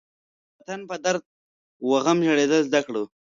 د وطن په درد و غم ژړېدل زده کړه.